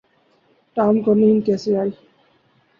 Tom کو نیند کیسی ائی؟